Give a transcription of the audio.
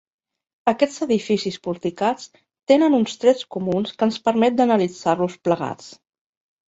Aquests edificis porticats tenen uns trets comuns que ens permet d'analitzar-los plegats.